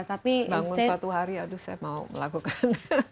bangun suatu hari aduh saya mau melakukan